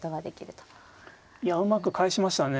いやうまく返しましたね。